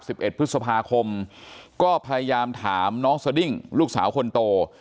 เอ็ดพฤษภาคมก็พยายามถามน้องสดิ้งลูกสาวคนโต